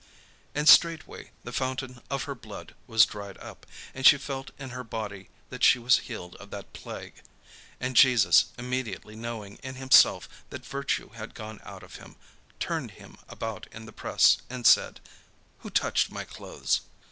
And straightway the fountain of her blood was dried up; and she felt in her body that she was healed of that plague. And Jesus, immediately knowing in himself that virtue had gone out of him, turned him about in the press, and said: "Who touched my clothes?"